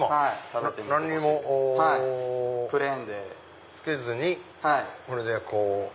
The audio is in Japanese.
何にもつけずにこれでこう。